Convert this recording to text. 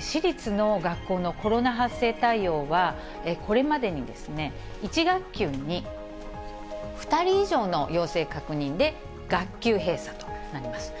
市立の学校のコロナ発生対応は、これまで、１学級に２人以上の陽性確認で学級閉鎖となります。